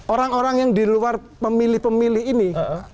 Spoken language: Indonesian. orang orang yang di luar pemilih pemilih ini